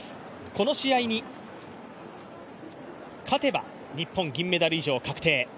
この試合に勝てば、日本、銀メダル以上確定。